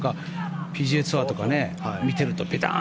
ＰＧＡツアーとか見ているとベターン！